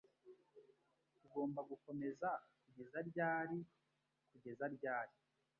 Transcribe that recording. Tugomba gukomeza kugeza ryari kugeza ryari?